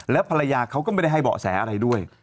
แล้วภรรยาเขาก็ไม่ได้ให้เบาะแสอะไรด้วย